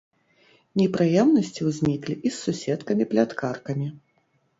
Непрыемнасці ўзніклі і з суседкамі-пляткаркамі.